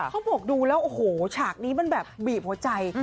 เขาบอกดูแล้วโอ้โหฉากนี้มันแบบบีบหัวใจ